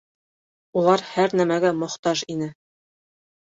Улар һәр нәмәгә мохтаж ине